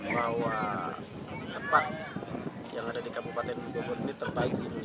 bahwa tempat yang ada di kabupaten bogor di terbaik di indonesia